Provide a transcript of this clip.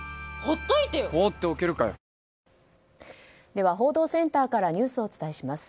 では報道センターからニュースをお伝えします。